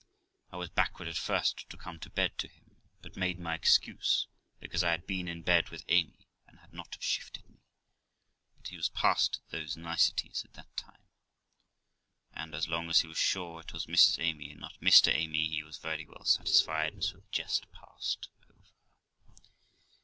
I was backward at first to come to bed to him, and made my excuse because I had been in bed with Amy, and had not shifted me; but he was past those niceties at that time; and, as long as he was sure it was Mrs Amy and not Mr Amy, he was very well satisfied, and so the jest passed over.